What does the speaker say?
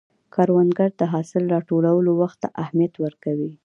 کروندګر د حاصل راټولولو وخت ته اهمیت ورکوي